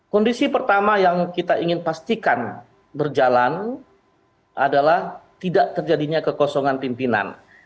kondisi pertama yang kita ingin pastikan berjalan adalah tidak terjadinya kekosongan pimpinan